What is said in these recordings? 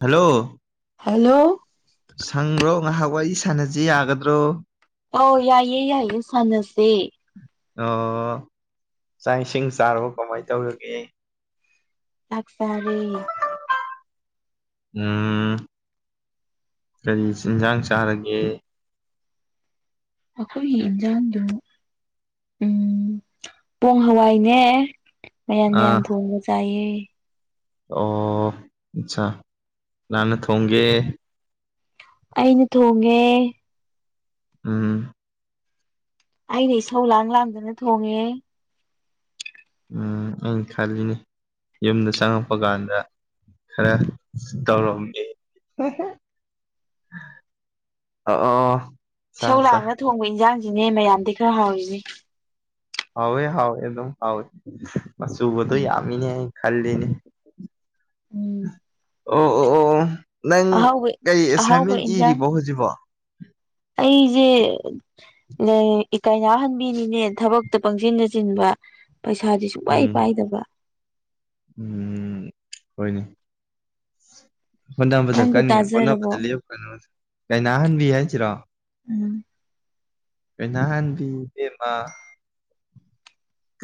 hello hello ꯁꯪꯕ꯭ꯔꯣ ꯉꯥꯏꯍꯥꯛ ꯋꯥꯔꯤ ꯁꯥꯟꯅꯁꯤ ꯌꯥꯒꯗ꯭ꯔꯣ ꯑꯧ ꯌꯥꯏꯌꯦ ꯌꯥꯏꯌꯦ ꯁꯥꯟꯅꯁꯦ ꯑꯣ ꯆꯥꯛ ꯏꯁꯤꯡ ꯆꯥꯔꯕ ꯀꯃꯥꯏꯅ ꯇꯧꯔꯤꯒꯦ ꯇꯥꯛꯁꯔ ꯎꯝ ꯀꯔꯤ ꯆꯤꯟꯁꯥꯡ ꯆꯥꯔꯒꯦ ꯑꯩꯈꯣꯏꯒꯤ ꯏꯟꯖꯥꯡꯗꯨ ꯎꯝ ꯄꯣꯡ ꯍꯋꯥꯏꯅꯦ ꯃꯌꯥꯝꯟ ꯃꯌꯥꯝꯟ ꯑꯥ ꯊꯣꯡꯕ ꯆꯥꯏꯌꯦ ꯑꯣ ꯑꯆꯥ ꯂꯅ ꯊꯣꯡꯒꯦ ꯑꯩꯅ ꯊꯣꯡꯉꯦ ꯎꯝ ꯑꯩꯗꯤ ꯏꯁꯧ ꯂꯥꯡ ꯂꯥꯡꯗꯅ ꯊꯣꯡꯉꯦ ꯎꯝ ꯑꯩꯅ ꯈꯜꯂꯤꯅꯤ ꯌꯨꯝꯗ ꯆꯪꯉꯛꯄ ꯀꯥꯟꯗ ꯈꯔ ꯇꯧꯔꯝꯃꯦ ꯑꯣ ꯑꯣ ꯆꯥ ꯁꯧ ꯆꯥ ꯂꯥꯡꯅ ꯊꯣꯡꯕ ꯏꯟꯖꯥꯡꯁꯤꯅꯦ ꯃꯌꯥꯝꯗꯤ ꯈꯔ ꯍꯥꯎꯔꯤꯅꯦ ꯍꯥꯎꯋꯦ ꯍꯥꯎ ꯑꯗꯨꯝ ꯍꯥꯎ ꯃ ꯎꯕꯗꯨ ꯎꯝ ꯌꯥꯗ ꯅꯦ ꯈꯜꯅꯦ ꯎꯝ ꯑꯣ ꯑꯣ ꯑꯣ ꯅꯪ ꯑꯍꯥꯎꯕ ꯀꯔꯤ ꯑꯍꯥꯎꯕ ꯑꯦꯁꯥꯏꯟꯃꯦꯟ ꯏꯔꯤꯕꯣ ꯍꯧꯖꯤꯛꯕꯣ ꯑꯩꯖꯦ ꯂꯩ ꯏꯀꯥꯏꯅꯍꯟꯕꯤꯅꯤꯅꯦ ꯊꯕꯛꯇ ꯄꯪꯁꯤꯟꯟꯅ ꯆꯤꯟꯕ ꯄꯩꯁꯥꯗꯨꯁꯨ ꯁꯨꯡꯃꯥꯏ ꯎꯝ ꯄꯥꯏꯗꯕ ꯎꯝ ꯍꯣꯏꯅꯦ ꯍꯣꯠꯅꯕꯗ ꯅꯪꯕꯨ ꯀꯟꯒꯦ ꯇꯥꯖꯔꯕꯣ ꯍꯣꯠꯅꯕꯗ ꯂꯦꯞꯀꯅꯣ ꯀꯥꯏ ꯅꯥꯍꯟꯕꯤ ꯍꯥꯏꯁꯤꯔꯣ ꯎꯝ ꯑꯩꯅ ꯍꯟꯗꯤ ꯃꯥ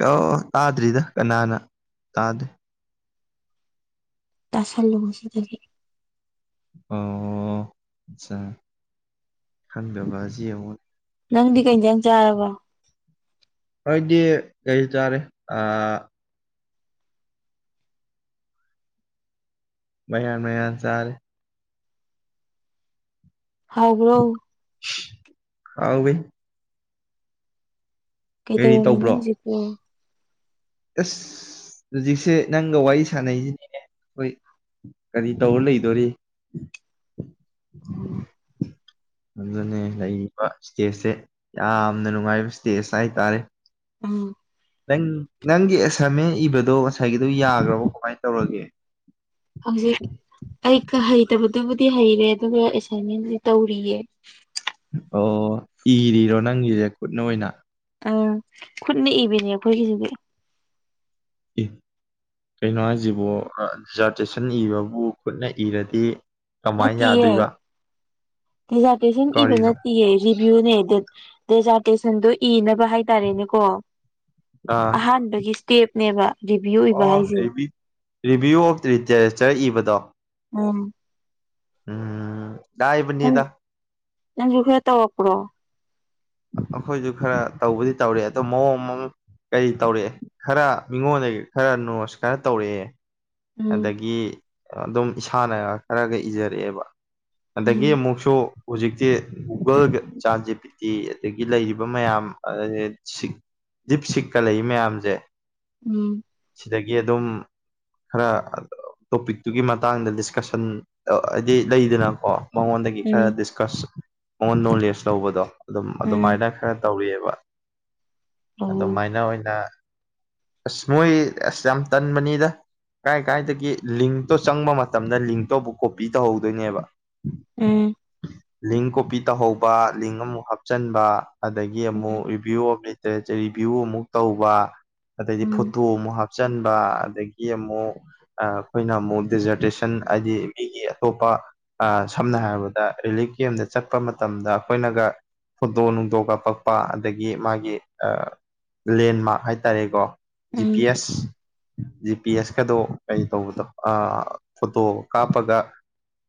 ꯑꯣ ꯇꯥꯗ꯭ꯔꯤꯗ ꯀꯅꯥꯅ ꯇꯥꯗꯦ ꯇꯥꯁꯂꯣꯁꯤꯦ ꯑꯣ ꯑꯆꯥ ꯈꯥꯟꯕꯤꯕꯖꯤ ꯑꯃ ꯅꯪꯗꯤ ꯀꯩꯁꯥꯡ ꯆꯥꯔꯕ ꯍꯣꯏꯗꯤ ꯀꯩꯇꯥꯔꯦ ꯑ ꯃꯌꯥꯟ ꯃꯌꯥꯟ ꯆꯥꯔꯦ ꯍꯥꯎ꯭ꯔꯣ ꯍꯥꯎꯕꯤ ꯀꯔꯤ ꯀꯩꯗꯧꯔꯝꯃꯤꯅꯣ ꯍꯧꯖꯤꯛꯄꯨ ꯑꯦꯁ ꯍꯧꯖꯤꯛꯁꯦ ꯅꯪꯒ ꯋꯥꯔꯨ ꯁꯥꯅꯩꯁꯤꯅꯤꯅꯦ ꯑꯩꯈꯣꯏ ꯀꯔꯤ ꯇꯧꯔ ꯂꯩꯗꯣꯔꯤ ꯎꯝ ꯑꯗꯨꯅꯦ ꯂꯩꯔꯤꯕ ꯏꯁꯇꯦꯖꯁꯦ ꯌꯥꯝꯅ ꯅꯨꯡꯉꯥꯏꯕ ꯏꯁꯇꯦꯖ ꯍꯥꯏꯇꯥꯔꯦ ꯎꯝ ꯅꯪ ꯅꯪꯒꯤ ꯑꯦꯁꯥꯏꯟꯃꯦꯟ ꯏꯕꯗꯣ ꯉꯁꯥꯏꯒꯤꯗꯣ ꯌꯥꯒꯔꯕꯣ ꯀꯃꯥꯏꯅ ꯇꯧꯔꯒꯦ ꯍꯧꯖꯤꯛ ꯑꯩ ꯍꯩꯇꯕꯗꯨꯕꯨꯗꯤ ꯍꯩꯔꯦ ꯑꯗꯨꯒ ꯑꯦꯁꯥꯏꯟꯃꯦꯟꯗꯤ ꯇꯧꯔꯤꯌꯦ ꯑꯣ ꯏꯔꯤꯔꯣ ꯅꯪꯒꯤꯁꯦ ꯈꯨꯠꯅ ꯑꯣꯏꯅ ꯑ ꯈꯨꯠꯅ ꯏꯕꯅꯦ ꯑꯩꯈꯣꯏꯒꯤꯁꯤꯗꯤ ꯀꯩꯅꯣ ꯍꯥꯏꯁꯤꯕꯨ ꯗꯤꯖꯥꯔꯇꯦꯁꯟ ꯏꯕꯕꯨ ꯈꯨꯠꯅ ꯏꯔꯗꯤ ꯀꯃꯥꯏꯅ ꯌꯥꯗꯣꯏꯕ ꯖꯥꯇꯦꯁꯟ ꯏꯕ ꯀꯔꯤꯅꯣ ꯅꯠꯇꯤꯌꯦ ꯚꯌꯨꯅꯦ ꯗꯦꯖꯥꯇꯦꯁꯟꯗꯣ ꯏꯅꯕ ꯍꯥꯏꯇꯥꯔꯦꯅꯦꯀꯣ ꯑꯥ ꯑꯍꯥꯟꯕꯒꯤ ꯏꯁꯇꯦꯞꯅꯦꯕ ꯚ꯭ꯌꯨ ꯔꯤꯚꯤꯌꯨ ꯑꯣꯐ ꯂꯤꯇꯔꯦꯆꯔ ꯏꯕꯗꯣ ꯎꯝ ꯎꯝ ꯗꯥꯏꯕꯅꯤꯗ ꯅꯪ ꯁꯨꯨ ꯍꯦ ꯇꯧ ꯑꯣꯄ꯭ꯔꯣ ꯑꯩꯈꯣꯏꯁꯨ ꯈꯔ ꯇꯧꯕꯗꯤ ꯇꯧꯔꯦ ꯑꯗꯣ ꯃꯑꯣꯡ ꯑꯃ ꯀꯔꯤ ꯇꯧꯔꯛꯦ ꯈꯔ ꯃꯤꯉꯣꯟꯗꯒꯤ ꯈꯔ ꯅꯣꯁ ꯈꯔ ꯇꯧꯔꯛꯑꯦ ꯎꯝ ꯑꯗꯒꯤ ꯑꯗꯨꯝ ꯏꯁꯥꯅ ꯈꯔꯒ ꯏꯖꯔꯛꯑꯦꯕ ꯑꯗꯒꯤ ꯎꯝ ꯑꯃꯨꯛꯁꯨ ꯍꯧꯖꯤꯛꯇꯤ ꯒꯨꯒꯜꯒ ꯆꯦꯠꯖꯤ ꯄꯤꯇꯤ ꯑꯗꯒꯤ ꯂꯩꯔꯤꯕ ꯃꯌꯥꯝ ꯗꯤꯞ ꯁꯤꯛꯀ ꯂꯩ ꯃꯌꯥꯝꯁꯦ ꯎꯝ ꯁꯤꯗꯒꯤ ꯑꯗꯨꯝ ꯈꯔ ꯇꯣꯄꯤꯛꯇꯨꯒꯤ ꯃꯇꯥꯡꯗ ꯗꯤꯁꯀꯁꯟ ꯍꯥꯏꯗꯤ ꯂꯩꯗꯅꯀꯣ ꯃꯉꯣꯟꯗꯒꯤ ꯈꯔ ꯎꯝ ꯗꯤꯁꯀꯁ ꯃꯉꯣꯟꯗ ꯅꯣꯂꯦꯖ ꯂꯧꯕꯗꯣ ꯑꯗꯨꯝ ꯎꯝ ꯑꯗꯨꯃꯥꯏꯅ ꯈꯔ ꯇꯧꯔꯤꯑꯦꯕ ꯑꯣ ꯑꯗꯨꯃꯥꯏꯅ ꯑꯣꯏꯅ ꯑꯁ ꯃꯣꯏ ꯑꯁ ꯌꯥꯝ ꯇꯟꯕꯅꯤꯗ ꯀꯥꯏ ꯀꯥꯏꯗꯒꯤ ꯂꯤꯡꯇꯣ ꯆꯪꯕ ꯃꯇꯝꯗ ꯂꯤꯡꯇꯣ ꯑꯃꯨꯛ ꯀꯣꯄꯤ ꯇꯧꯍꯧꯗꯣꯏꯅꯦꯕ ꯎꯝ ꯂꯤꯡ ꯀꯣꯄꯤ ꯇꯧꯍꯧꯕ ꯂꯤꯡ ꯑꯃꯨꯛ ꯍꯥꯞꯆꯟꯕ ꯑꯗꯒꯤ ꯑꯃꯨꯛ ꯎꯝ ꯔꯤꯚꯤꯌꯨ ꯑꯃ ꯔꯤꯚꯤꯌꯨ ꯑꯃꯨꯛ ꯇꯧꯕ ꯑꯗꯗꯤ ꯎꯝ ꯐꯣꯇꯣ ꯑꯃꯨꯛ ꯍꯥꯞꯆꯟꯕ ꯑꯗꯒꯤ ꯑꯃꯨꯛ ꯑꯩꯈꯣꯏꯅ ꯑꯃꯨꯛ ꯗꯦꯖꯔꯇꯦꯁꯟ ꯍꯥꯏꯗꯤ ꯃꯤꯒꯤ ꯑꯇꯣꯞꯄ ꯑ ꯁꯝꯅ ꯍꯥꯏꯔꯕꯗ ꯔꯤꯂꯤꯞ ꯀꯦꯝꯗ ꯆꯠꯄ ꯃꯇꯝꯗ ꯑꯩꯈꯣꯏꯅꯒ ꯐꯣꯇꯣ ꯅꯨꯡꯗꯣ ꯀꯥꯞꯄꯛꯄ ꯑꯗꯒꯤ ꯃꯥꯒꯤ ꯂꯦꯟꯃꯥꯛ ꯍꯥꯏꯔ ꯇꯥꯔꯦꯀꯣ ꯖꯤ ꯄꯤ ꯎꯝ ꯑꯦꯁ ꯖꯤ ꯄꯤ ꯑꯦꯁꯀꯗꯣ ꯀꯩ ꯇꯧꯕꯗ ꯐꯣꯇꯣ ꯀꯥꯞꯄꯒ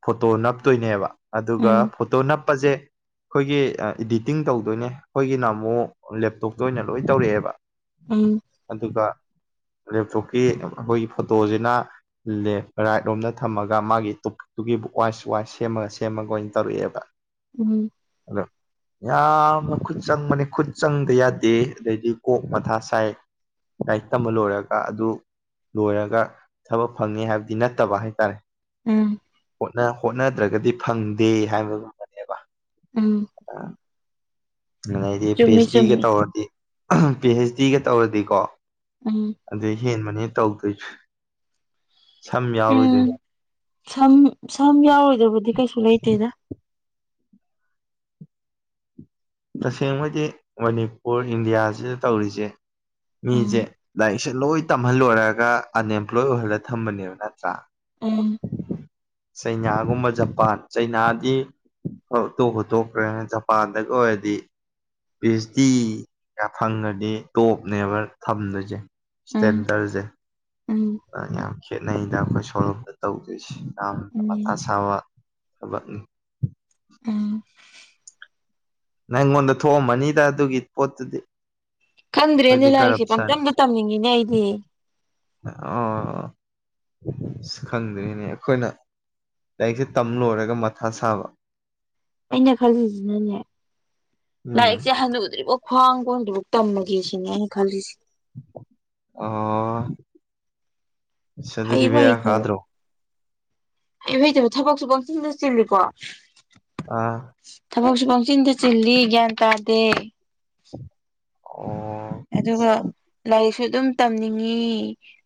ꯐꯣꯇꯣ ꯅꯞꯇꯣꯏꯅꯦꯕ ꯑꯗꯨꯒ ꯎꯝ ꯐꯣꯇꯣ ꯅꯞꯄꯁꯦ ꯑꯩꯈꯣꯏꯒꯤ ꯏꯗꯤꯇꯤꯡ ꯇꯧꯗꯣꯏꯅꯦ ꯑꯩꯈꯣꯏꯒꯤꯅ ꯑꯃꯨꯛ ꯂꯦꯞꯇꯣꯞꯇ ꯑꯣꯏꯅ ꯂꯣꯏ ꯇꯧꯔꯛꯑꯦꯕ ꯎꯝ ꯑꯗꯨꯒ ꯂꯦꯞꯇꯣꯞꯀꯤ ꯑꯩꯈꯣꯏꯒꯤ ꯐꯣꯇꯣꯁꯤꯅ ꯂꯦꯐ ꯔꯥꯏꯠ ꯔꯣꯝꯗ ꯊꯝꯃꯒ ꯃꯥꯒꯤ ꯇ ꯑꯗꯨꯒꯤ ꯋꯥꯏꯁ ꯋꯥꯏꯁ ꯁꯦꯝꯃꯒ ꯁꯦꯝꯃꯒ ꯑꯣꯏꯅ ꯇꯧꯔꯛꯑꯦꯕ ꯎꯝ ꯑꯗꯣ ꯌꯥꯝꯅ ꯈꯨꯠ ꯆꯪꯕꯅꯤ ꯈꯨꯠ ꯆꯪꯗ ꯌꯥꯗꯦ ꯑꯗꯩꯗꯤ ꯀꯣꯛ ꯃꯊꯥ ꯉꯥꯏ ꯂꯥꯏꯛ ꯇꯝꯕ ꯂꯣꯏꯔꯒ ꯑꯗꯨ ꯂꯣꯏꯔꯒ ꯊꯕꯛ ꯐꯪꯉꯦ ꯍꯥꯏꯕꯗꯤ ꯅꯠꯇꯕ ꯍꯥꯏꯇꯥꯔꯦ ꯎꯝ ꯍꯣꯠꯅ ꯍꯣꯠꯅꯗ꯭ꯔꯒꯗꯤ ꯐꯪꯗꯦ ꯍꯥꯏꯕꯒꯨꯝꯕꯅꯦꯕ ꯎꯝ [unintelligible] ꯑꯗꯨꯗꯩꯗꯤ ꯄꯤ ꯆꯨꯝꯃꯤ ꯑꯩꯆ ꯗꯤꯒ ꯆꯨꯝꯃꯤ ꯇꯧꯔꯗꯤ ꯄꯤ ꯑꯩꯆ ꯗꯤꯒ ꯇꯧꯔꯗꯤꯀꯣ ꯎꯝ ꯑꯗꯩ ꯍꯦꯟꯕꯅꯦ ꯇꯧꯗꯣꯏꯁꯨ ꯁꯝ ꯌꯥꯎꯔꯣꯏꯗꯣꯏꯅꯤ ꯎꯝ ꯁꯝ ꯁꯝ ꯌꯥꯎꯔꯣꯏꯗꯕꯗꯤ ꯀꯩꯁꯨ ꯂꯩꯇꯦꯗ ꯇꯁꯦꯡꯕꯩꯗꯤ ꯃꯅꯤꯄꯨꯔ ꯏꯟꯗꯤꯌꯥꯁꯤꯗ ꯇꯧꯔꯤꯁꯦ ꯎꯝ ꯃꯤꯁꯦ ꯂꯥꯏꯔꯤꯛꯁꯦ ꯂꯣꯏ ꯇꯝꯍꯜꯂꯣꯏꯔꯒ ꯑꯟꯑꯦꯝꯄ꯭ꯂꯣꯏ ꯑꯣꯏꯍꯜꯂꯒ ꯊꯝꯕꯅꯦꯕ ꯅꯠꯇ꯭ꯔꯥ ꯎꯝ ꯆꯩꯅꯥꯒꯨꯝꯕ ꯖꯄꯥꯟ ꯆꯩꯅꯥꯗꯤ ꯑꯣ ꯇꯣꯛꯄꯨ ꯇꯣꯛꯈ꯭ꯔꯦ ꯖꯄꯥꯟꯗꯒ ꯑꯣꯏ ꯇꯤ ꯄꯤ ꯑꯩꯆ ꯗꯤ ꯀ ꯐꯪꯉꯗꯤ ꯇꯣꯞꯅꯦꯕ ꯊꯝꯗꯣꯏꯁꯦ ꯎꯝ ꯁ꯭ꯇꯦꯟꯗꯔꯁꯦ ꯎꯝ ꯌꯥꯝ ꯈꯦꯠꯅꯩꯗ ꯑꯩꯈꯣꯏ ꯁꯣꯔꯂꯣꯝꯇ ꯇꯧꯗꯣꯏꯁꯦ ꯌꯥꯝꯅ ꯎꯝ ꯃꯊꯥ ꯁꯥꯕ ꯊꯕꯛꯅꯤ ꯎꯝ ꯅꯪ ꯉꯣꯟꯗ ꯊꯣꯛꯑꯝꯃꯅꯤꯗ ꯑꯗꯨꯒꯤ ꯄꯣꯠꯇꯨꯗꯤ ꯈꯟꯗ꯭ꯔꯦꯅꯦ ꯑꯩꯈꯣꯏꯗꯤ ꯂꯥꯏꯔꯤꯛꯁꯦ ꯀꯔꯞꯁꯟ ꯄꯪꯇꯝꯗ ꯇꯝꯅꯤꯡꯉꯤꯅꯦ ꯑꯩꯗꯤ ꯑꯣ ꯑꯁ ꯈꯪꯗ꯭ꯔꯤꯅꯦ ꯑꯩꯈꯣꯏꯅ ꯂꯥꯏꯔꯤꯛꯁꯦ ꯇꯝ ꯂꯣꯏꯔꯒ ꯃꯊꯥ ꯁꯥꯕ ꯑꯩꯅ ꯈꯜꯂꯤꯁꯤꯅꯅꯦ ꯎꯝ ꯂꯥꯏꯔꯤꯛꯁꯦ ꯍꯅꯨꯗ꯭ꯔꯤꯕꯥꯎ ꯈ꯭ꯋꯥꯡ ꯀꯣꯟꯗ꯭ꯔꯤꯕꯥꯎ ꯇꯝꯃꯒꯦ ꯁꯤꯅꯦ ꯑꯩ ꯈꯜꯂꯤꯁꯤ ꯑꯣ ꯁ ꯍꯩꯕ ꯑꯗꯨꯗꯤꯕꯚꯌꯥ ꯈꯥꯗ꯭ꯔꯣ ꯏꯍꯩꯇꯕ ꯊꯕꯛꯁꯨ ꯀꯪꯁꯤꯤꯟꯗ ꯆꯦꯜꯂꯤꯀꯣ ꯑꯥ ꯊꯕꯛꯁꯨ ꯄꯪꯆꯤꯟꯗ ꯆꯤꯜꯂꯤ ꯒ꯭ꯌꯥꯟ ꯇꯥꯗꯦ ꯑꯣ ꯑꯗꯨꯒ ꯑꯠꯆꯥ ꯂꯥꯏꯔꯤꯛꯁꯨ ꯑꯗꯨꯝ ꯇꯝꯅꯤꯡꯉꯤ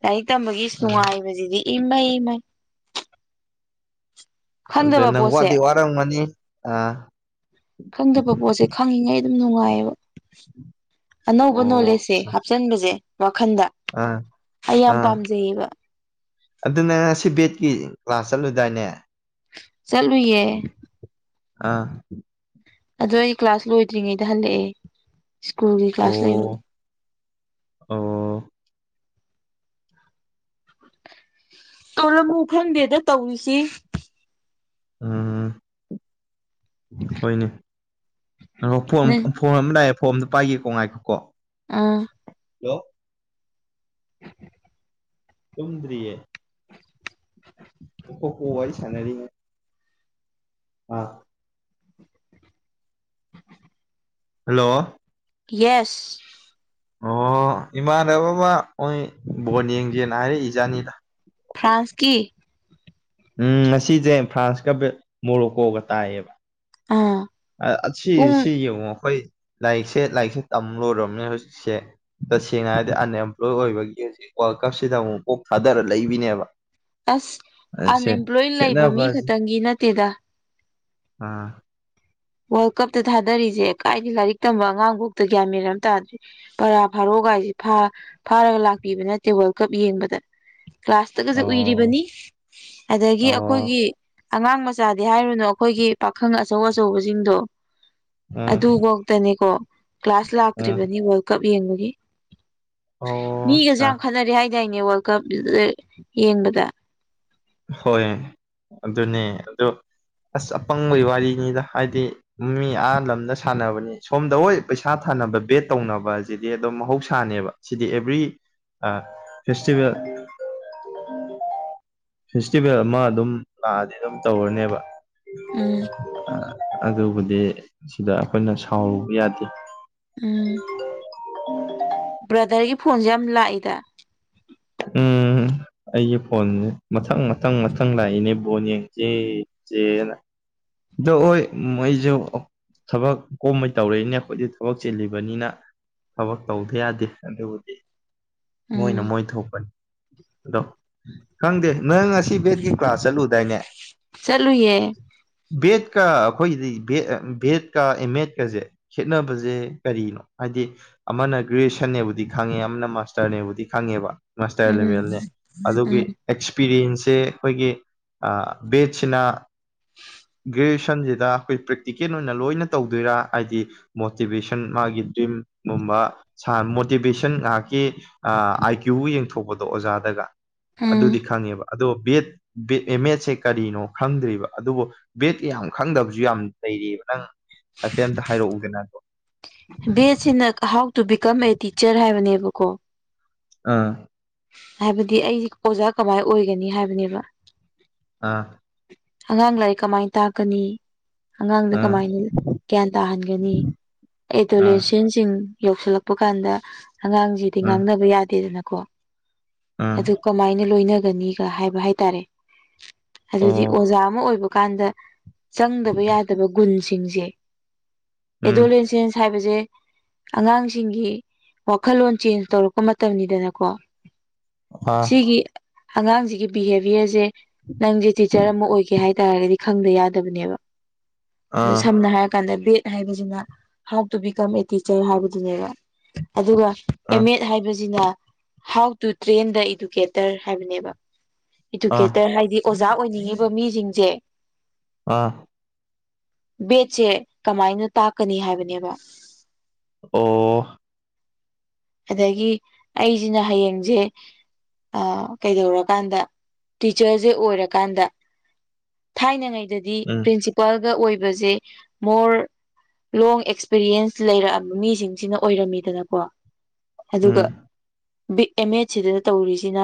ꯂꯥꯏꯔꯤꯛ ꯇꯝꯕꯒꯤ ꯑꯥ ꯅꯨꯡꯉꯥꯏꯕꯁꯤꯗꯤ ꯏꯚꯥꯏ ꯏꯃꯥꯏ ꯑꯗꯨꯗ ꯈꯪꯗꯕ ꯅꯪ ꯄꯣꯠꯁꯦ ꯋꯥꯗꯤꯩ ꯋꯥꯔꯝꯒꯅꯤ ꯑ ꯈꯪꯗꯕ ꯄꯣꯠꯁꯦ ꯈꯪꯉꯤꯉꯩ ꯑꯗꯨꯝ ꯅꯨꯡꯉꯥꯏꯌꯦꯕ ꯑꯅꯧꯕ ꯑꯣ ꯅꯣꯂꯦꯖꯁꯦ ꯑꯠꯆꯥ ꯍꯥꯨꯞꯆꯟꯕꯁꯦ ꯋꯥꯈꯟꯗ ꯑꯥ ꯑꯩ ꯌꯥꯝ ꯑꯥ ꯄꯥꯝꯖꯩꯌꯦꯕ ꯑꯗꯨꯅ ꯁꯤ ꯕꯦꯠꯀꯤ ꯀ꯭ꯂꯥꯁ ꯆꯠꯂꯨꯗꯥꯏꯅꯦ ꯆꯠꯂꯨꯌꯦ ꯑꯥ ꯑꯗꯣ ꯑꯩ ꯀ꯭ꯂꯥꯁ ꯂꯣꯏꯗ꯭ꯔꯤꯉꯩꯗ ꯍꯜꯂꯛꯑꯦ ꯁ꯭ꯀꯨꯜꯒꯤ ꯀ꯭ꯂꯥꯁ ꯂꯩꯕꯅꯤ ꯑꯣ ꯑꯣ ꯇꯣꯂꯕꯨꯨ ꯐꯪꯗꯦꯗ ꯇꯧꯔꯤꯁꯤ ꯎꯝ ꯍꯣꯏꯅꯦꯄ ꯐꯣꯝ ꯑꯃ ꯂꯥꯛꯑꯦ ꯐꯣꯝꯗꯣ ꯄꯥꯏꯒꯦ ꯀꯣꯡ ꯉꯥꯏꯈꯀꯣ ꯑꯥ ꯍꯜꯂꯣ ꯇꯣꯗꯔꯤ ꯣ ꯀꯣ ꯁꯅꯔꯤ ꯑꯥ ꯍꯜꯂꯣ ꯌꯦꯁ ꯑꯣ ꯏꯃꯥꯟꯅꯕꯕꯥ ꯃꯣꯏ ꯕꯣꯣꯟ ꯌꯦꯡꯒꯦꯅ ꯍꯥꯏꯔꯛꯏ ꯏꯖꯥꯅꯤꯗ ꯐ꯭ꯔꯥꯟꯁꯀꯤ ꯎꯝ ꯉꯁꯤꯁꯦ ꯐ꯭ꯔꯥꯟꯁꯀ ꯕꯦ ꯃꯣꯔꯣꯀꯣꯒ ꯇꯥꯏꯌꯦꯕ ꯑꯣ ꯑ ꯑꯁꯤꯁꯤ ꯌꯦꯡꯉꯨ ꯑꯩꯈꯣꯏ ꯂꯥꯏꯔꯤꯛꯁꯦ ꯂꯥꯏꯔꯤꯛꯁꯦ ꯇꯝ ꯂꯣꯏꯔꯝꯅꯦ ꯍꯧꯖꯤꯛꯁꯦ ꯇꯁꯦꯡꯅ ꯍꯥꯏꯔꯗꯤ ꯑꯟꯑꯦꯝꯄ꯭ꯂꯣꯏ ꯑꯣꯏꯕꯒꯤ ꯍꯧꯖꯤꯛ ꯋꯥꯔꯜ ꯀꯞꯁꯤꯗ ꯑꯃꯨꯛ ꯀꯣꯛ ꯊꯥꯗꯔ ꯂꯩꯕꯤꯅꯦꯕ ꯑꯁ ꯁꯦ ꯑꯟꯑꯦꯝꯄ꯭ꯂꯣꯏ ꯂꯩꯕ ꯃꯤ ꯈꯦꯠꯅꯕꯁꯦ ꯈꯛꯇꯪꯒꯤ ꯅꯠꯇꯦꯗ ꯑꯥ ꯋꯥꯔꯜ ꯀꯞꯇ ꯊꯥꯗꯔꯤꯁꯦ ꯀꯥꯏꯗꯤ ꯂꯥꯏꯔꯤꯛ ꯇꯝꯕ ꯑꯉꯥꯡꯕꯣꯛꯇ ꯒ꯭ꯌꯥ ꯃꯟꯅꯔꯝ ꯇꯥꯗ꯭ꯔꯦ ꯄꯔꯥ ꯐꯥꯔꯛꯒ ꯍꯥꯏꯁꯦ ꯐꯥꯔꯒ ꯂꯥꯛꯄꯤꯕꯅ ꯇꯦꯕꯜ ꯀꯞ ꯌꯦꯡꯕꯗ ꯀ꯭ꯂꯥꯁꯇꯒꯁꯦ ꯑꯣ ꯎꯏꯔꯤꯕꯅꯤ ꯑꯗꯒꯤ ꯑꯣ ꯑꯩꯈꯣꯏꯒꯤ ꯑꯉꯥꯡ ꯃꯆꯥꯗꯤ ꯍꯥꯏꯔꯨꯅꯨ ꯑꯩꯈꯣꯏꯒꯤ ꯄꯥꯈꯪ ꯑꯆꯧ ꯑꯧ ꯑꯆꯧꯕꯁꯤꯡꯗꯣ ꯎꯝ ꯑꯗꯨꯧꯇꯅꯦꯀꯣ ꯀ꯭ꯂꯥꯁ ꯎꯝ ꯂꯥꯛꯇ꯭ꯔꯤꯕꯅꯤ ꯀꯞ ꯌꯦꯡꯕꯒꯤꯦ ꯑꯣ ꯃꯤꯒꯁꯨ ꯑꯠꯆꯥ ꯌꯥꯝ ꯈꯠꯅꯔꯦ ꯍꯥꯏ ꯏꯅꯦ ꯋꯥꯔꯜ ꯀꯞ ꯌꯦꯡꯕꯗ ꯍꯣꯏ ꯑꯗꯨꯅꯦ ꯑꯣ ꯑꯁ ꯑꯄꯪꯕꯒꯤ ꯋꯥꯔꯤꯅꯤꯗ ꯍꯥꯏꯗꯤ ꯃꯤ ꯑꯥ ꯂꯝꯗ ꯁꯥꯟꯅꯕꯅꯤ ꯁꯣꯝꯗ ꯍꯣꯏ ꯄꯩꯁꯥ ꯊꯥꯅꯕ ꯕꯦꯠ ꯇꯧꯅꯕꯁꯤꯗꯤ ꯑꯗꯨꯝ ꯃꯍꯧꯁꯥꯅꯦꯕ ꯁꯤꯗꯤ ꯑꯦꯕ꯭ꯔꯤ ꯐꯦꯁꯇꯤꯚꯦꯜ [unintelligible] ꯐꯦꯁꯇꯤꯚꯦꯜ ꯑꯃ ꯑꯗꯨꯝ ꯂꯥꯛꯑꯗꯤ ꯑꯗꯨꯝ ꯇꯧꯔꯅꯦꯕ ꯎꯝ ꯑ ꯑꯗꯨꯕꯨꯗꯤ ꯁꯤꯗ ꯑꯈꯣꯏꯅ ꯁꯥꯎꯔꯨꯕ ꯌꯥꯗꯦ ꯎꯝ ꯕ꯭ꯔꯗꯔꯒꯤ ꯐꯣꯟꯁꯦ ꯌꯥꯝ ꯂꯥꯛꯏꯗ ꯎꯝ ꯑꯩꯒꯤ ꯐꯣꯟꯁꯦ ꯃꯊꯪ ꯃꯊꯪ ꯃꯊꯪ ꯂꯥꯛꯏꯅꯦ ꯕꯣꯟ ꯌꯦꯡ ꯖꯦ ꯌꯦꯡꯖꯦꯅ ꯑꯗꯣ ꯍꯣꯏ ꯃꯣꯏꯁꯨ ꯊꯕꯛ ꯀꯣꯝꯕꯩ ꯇꯧꯔꯛꯏꯅꯦ ꯑꯩꯈꯣꯏꯗꯤ ꯊꯕꯛ ꯆꯦꯜꯂꯤꯕꯅꯤꯅ ꯊꯕꯛ ꯇꯧꯗ ꯌꯥꯗꯦ ꯑꯗꯨꯕꯨꯗꯤ ꯃꯣꯏꯅ ꯎꯝ ꯃꯣꯏ ꯊꯣꯛꯄꯅꯤ ꯑꯗꯣ ꯈꯪꯗꯦ ꯅꯣꯏ ꯉꯁ ꯁꯤ ꯕꯤ ꯑꯦꯠꯀꯤ ꯀ꯭ꯂꯥꯁ ꯆꯠꯂꯨꯗꯥꯏꯅꯦ ꯆꯠꯂꯨꯏꯌꯦ ꯕꯦꯠꯀ ꯑꯈꯣꯏꯒꯤꯗꯤ ꯕꯦꯠ ꯕꯦꯠꯀ ꯑꯦꯝ ꯃꯦꯗ ꯀꯁꯦ ꯈꯦꯠꯅꯕꯁꯦ ꯀꯔꯤꯅꯣ ꯍꯥꯏꯗꯤ ꯑꯃꯅ ꯒ꯭ꯔꯦꯖꯨꯋꯦꯁꯟꯅꯦꯕꯨꯗꯤ ꯈꯪꯉꯦ ꯑꯃꯅ ꯃꯥꯁꯇꯔꯅꯦꯕꯨꯗꯤ ꯈꯪꯉꯦꯕ ꯃꯥꯁꯇꯔ ꯎꯝ ꯂꯦꯕꯦꯜꯅꯦ ꯑꯗꯨꯒꯤ ꯎꯝ ꯑꯦꯛꯁꯄꯤꯔꯤꯌꯦꯟꯁꯁꯤ ꯑꯩꯈꯣꯏꯒꯤ ꯑ ꯕꯦꯠꯁꯤꯅ ꯒ꯭ꯔꯦꯖꯨꯌꯦꯁꯟꯁꯤꯗ ꯑꯩꯈꯣꯏ ꯄ꯭ꯔꯦꯛꯇꯤꯀꯦꯜ ꯑꯣꯏꯅ ꯂꯣꯏꯅ ꯇꯧꯗꯣꯏꯔꯥ ꯍꯥꯏꯗꯤ ꯃꯣꯇꯤꯚꯦꯁꯟ ꯃꯥꯒꯤ ꯗ꯭ꯔꯤꯝ ꯒꯨꯝꯕ ꯁꯥꯟ ꯃꯣꯇꯤꯚꯦꯁꯟ ꯉꯥꯏꯍꯥꯛꯀꯤ ꯑꯥꯏ ꯀ꯭ꯌꯨ ꯕꯨ ꯌꯦꯡꯊꯣꯛꯄꯗꯣ ꯑꯣꯖꯥꯗꯒ ꯎꯝ ꯑꯗꯨꯗꯤ ꯈꯪꯉꯦꯕ ꯑꯗꯣ ꯕꯦꯠ ꯕꯦꯠ ꯑꯦꯝ ꯃꯦꯠꯁꯦ ꯀꯔꯤꯅꯣ ꯈꯪꯗ꯭ꯔꯤꯕ ꯑꯗꯨꯕꯨ ꯕꯦꯠ ꯌꯥꯝ ꯈꯪꯗꯕꯁꯨ ꯌꯥꯝ ꯂꯩꯔꯤꯑꯕ ꯅꯪ ꯍꯥꯏꯐꯦꯠ ꯑꯝꯇ ꯍꯥꯏꯔꯛꯎꯗ ꯅꯪꯕꯣ ꯕꯤ ꯑꯦꯁ ꯁꯤꯅ how to become a teacher ꯍꯥꯏꯕꯅꯦꯕꯀꯣ ꯑ ꯍꯥꯏꯕꯗꯤ ꯑꯩ ꯑꯣꯖꯥ ꯀꯃꯥꯏ ꯑꯣꯏꯒꯅꯤ ꯍꯥꯏꯕꯅꯦꯕ ꯑꯥ ꯑꯉꯥꯡ ꯂꯥꯏꯔꯤꯛ ꯀꯃꯥꯏꯅ ꯇꯥꯛꯀꯅꯤ ꯑꯉꯥꯡꯗ ꯑꯥ ꯀꯃꯥꯏꯅ ꯒ꯭ꯌꯥꯟ ꯇꯥꯍꯟꯒꯅꯤ ꯑꯥ ꯑꯦꯗꯣꯂꯦꯁꯦꯟꯁ ꯇꯤꯟ ꯌꯧꯁꯜꯂꯛꯄ ꯀꯥꯟꯗ ꯑꯉꯥꯡꯁꯤꯗꯤ ꯑꯥ ꯉꯥꯡꯅꯕ ꯌꯥꯗꯦꯗꯅꯀꯣ ꯑꯥ ꯑꯗꯨ ꯀꯃꯥꯏꯅ ꯂꯣꯏꯅꯒꯅꯤꯒ ꯍꯥꯏꯕ ꯍꯥꯏꯇꯥꯔꯦ ꯑꯗꯨꯗꯤ ꯑꯣ ꯑꯣꯖꯥ ꯑꯃ ꯑꯣꯏꯕ ꯀꯥꯟꯗ ꯆꯪꯗꯕ ꯌꯥꯗꯕ ꯒꯨꯟꯁꯦ ꯁꯤꯡꯁꯦ ꯎꯝ ꯑꯦꯗꯣꯂꯁ ꯍꯥꯏꯕꯁꯦ ꯑꯉꯥꯡꯁꯤꯡꯒꯤ ꯋꯥꯈꯜꯂꯣꯟ ꯆꯦꯟꯖ ꯇꯧꯔꯛꯄ ꯃꯇꯝꯅꯤꯗꯅꯀꯣ ꯑꯥ ꯁꯤꯒꯤ ꯑꯉꯥꯡꯁꯤꯒꯤ ꯕꯤꯍꯦꯕꯤꯌꯔꯁꯦ ꯅꯪꯁꯦ ꯇꯤꯆꯔ ꯑꯃ ꯑꯣꯏꯒꯦ ꯍꯥꯏꯇꯥꯔꯒꯗꯤ ꯈꯪꯗ ꯌꯥꯗꯕꯅꯦꯕ ꯑꯗꯣ ꯑꯥ ꯁꯝꯅ ꯍꯥꯏꯔꯀꯥꯟꯗ ꯕꯤ ꯍꯥꯏꯕꯁꯤꯅ how to become a teacher ꯍꯥꯏꯕꯗꯨꯅꯦꯕ ꯑꯗꯨꯒ ꯑꯥ ꯑꯦꯝ ꯑꯦꯠ ꯍꯥꯏꯕꯁꯤꯅ how to train the educator ꯍꯥꯏꯕꯅꯦꯕ ꯑꯥ ꯏꯗꯨꯀꯦꯇꯔ ꯍꯥꯏꯗꯤ ꯑꯣꯖꯥ ꯑꯣꯏꯅꯤꯡꯉꯤꯕ ꯃꯤꯁꯤꯡꯁꯦ ꯑꯥ ꯕꯦꯠꯁꯦ ꯀꯃꯥꯏꯅ ꯇꯥꯛꯀꯅꯤ ꯍꯥꯏꯕꯅꯦꯕ ꯑꯣ ꯑꯣ ꯑꯗꯒꯤ ꯑꯩꯁꯤꯅ ꯍꯌꯦꯡꯁꯦ ꯑ ꯀꯩꯗꯧꯔꯀꯥꯟꯗ ꯇꯤꯆꯔꯁꯦ ꯑꯣꯏꯔ ꯀꯥꯟꯗ ꯊꯥꯏꯅꯉꯩꯗꯗꯤ ꯎꯝ ꯄ꯭ꯔꯤꯟꯁꯤꯄꯥꯜꯒ ꯑꯣꯏꯕꯁꯦ ꯃꯣꯔ ꯂꯣꯡ ꯑꯦꯛꯁꯄꯤꯔꯤꯌꯦꯟꯁ ꯂꯩꯔꯛꯑꯕ ꯃꯤꯁꯤꯡꯁꯤꯅ ꯑꯣꯏꯔꯝꯃꯤꯗꯅꯀꯣ ꯑꯗꯨꯒ ꯎꯝ ꯕꯤ ꯑꯦꯝ ꯑꯦꯗ ꯁꯤꯗ ꯇꯧꯔꯤꯁꯤꯅ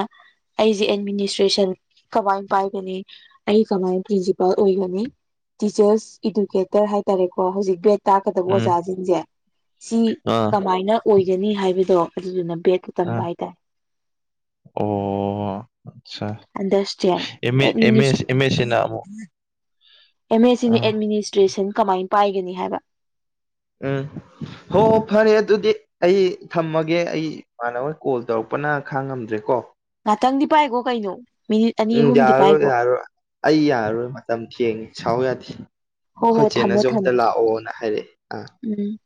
ꯑꯩꯁꯦ ꯑꯦꯗꯃꯤꯅꯤꯁꯇ꯭ꯔꯦꯁꯟ ꯀꯃꯥꯏ ꯄꯥꯏ [unintelligible] ꯑꯩ ꯀꯃꯥꯏ ꯄ꯭ꯔꯤꯟꯁꯤꯄꯥꯜ ꯑꯣꯏꯒꯅꯤ ꯇꯤꯆꯔꯁ ꯏꯗꯨꯀꯦꯇꯔ ꯍꯥꯏꯇꯥꯔꯦꯀꯣ ꯍꯧꯖꯤꯛ ꯕꯦꯠ ꯇꯥꯛꯀꯗꯕ ꯎꯝ ꯑꯣꯖꯥꯖꯤꯡꯖꯦ ꯁꯤ ꯑꯥ ꯀꯃꯥꯏꯅ ꯑꯣꯏꯒꯅꯤ ꯍꯥꯏꯕꯗꯣ ꯑꯗꯨꯗꯨꯅ ꯕꯦꯠ ꯑ ꯑꯣ ꯑꯆꯥ ꯑꯟꯗꯔꯁꯇꯦꯟ ꯑꯦꯝ [unintelligible] ꯑꯦꯝ ꯑꯦ ꯁꯤꯅ ꯑꯦꯗꯃꯤꯅꯤꯁꯇ꯭ꯔꯦꯁꯟ ꯀꯃꯥꯏꯅ ꯄꯥꯏꯒꯅꯤ ꯍꯥꯏꯕ ꯎꯝ ꯍꯣ ꯐꯔꯦ ꯑꯗꯨꯗꯤ ꯑꯩ ꯊꯝꯃꯒꯦ ꯑꯩ ꯃꯥꯅ ꯍꯣꯏ ꯀꯣꯜ ꯇꯧꯔꯛꯄꯅ ꯈꯥꯡꯉꯝꯗ꯭ꯔꯦ ꯀꯣ ꯉꯥꯛꯇꯪꯗꯤ ꯄꯥꯏꯒꯣ ꯀꯩꯅꯣ ꯃꯤꯅꯤꯠ ꯑꯅꯤ ꯎꯝ ꯑꯍꯨꯝꯗꯤ ꯌꯥꯔꯔꯣꯏ ꯄꯥꯏꯈꯣ ꯌꯥꯔꯣꯏ ꯑꯩ ꯌꯥꯔꯔꯣꯏ ꯃꯇꯝ ꯊꯦꯡꯉꯤ ꯁꯥꯎ ꯌꯥꯗꯦ ꯍꯣ ꯍꯣ ꯍꯣꯏ ꯊꯝꯃꯣ ꯆꯦꯅꯁꯨ ꯑꯝꯇ ꯊꯝꯃꯣ ꯂꯥꯛꯑꯣꯅ ꯍꯥꯏꯔꯛꯑꯦ ꯑꯥ ꯎꯝ